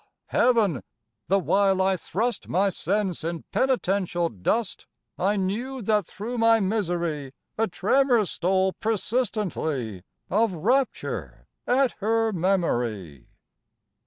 Heaven, the while I thrust My sense in penitential dust I knew that thro' my misery A tremor stole persistently, Of rapture at her memory.